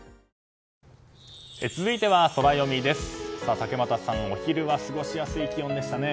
竹俣さん、お昼は過ごしやすい気温でしたね。